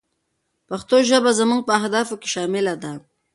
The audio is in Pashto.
پښتو ژبه زموږ په اهدافو کې شامله ده.